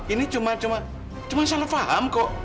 ini cuma salah faham kok